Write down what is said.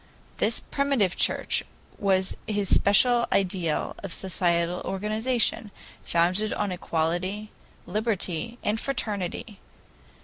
This Primitive Church was his special ideal of social organization, founded on equality, liberty, and fraternity.